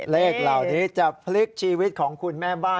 เลขเหล่านี้จะพลิกชีวิตของคุณแม่บ้าน